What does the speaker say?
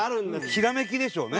ひらめきでしょうね。